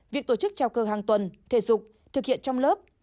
việc tổ chức trao cơ hàng tuần thể dục thực hiện trong lớp